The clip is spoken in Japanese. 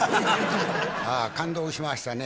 ああ感動しましたね。